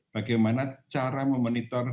bagaimana cara memonitor